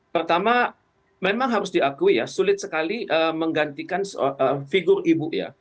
pertama memang harus diakui ya sulit sekali menggantikan figur ibu ya